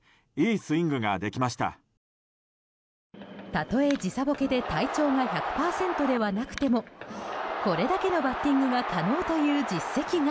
例え時差ボケで体調が１００％ではなくてもこれだけのバッティングが可能という実績が。